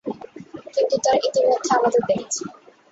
কিন্তু তারা ইতিমধ্যে আমাদের দেখেছে।